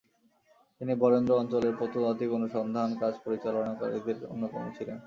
তিনি বরেন্দ্র অঞ্চলের প্রত্নতাত্ত্বিক অনুসন্ধান কাজ পরিচলানকারীদের অন্যতম ছিলেন।